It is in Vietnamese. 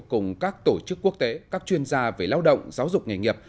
cùng các tổ chức quốc tế các chuyên gia về lao động giáo dục nghề nghiệp